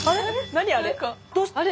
何あれ？